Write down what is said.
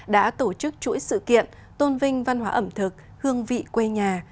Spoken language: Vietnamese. đã tổ chức chuỗi sự kiện tôn vinh văn hóa ẩm thực hương vị quê nhà